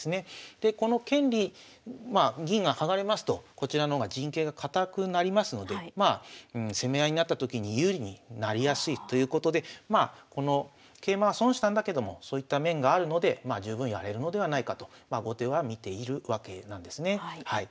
でこの権利まあ銀が剥がれますとこちらの方が陣形が堅くなりますのでまあ攻め合いになったときに有利になりやすいということでまあこの桂馬は損したんだけどもそういった面があるのでまあ十分やれるのではないかと後手は見ているわけなんですね。